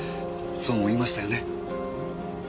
そうも言いましたよね。